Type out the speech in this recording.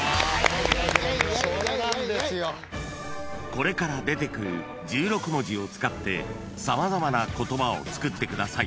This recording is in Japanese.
［これから出てくる１６文字を使って様々な言葉を作ってください。